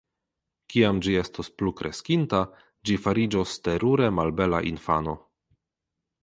Kiam ĝi estos plukreskinta ĝi fariĝos terure malbela infano.